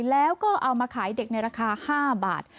แล้วก็เอามาขายเด็กในราคา๕บาท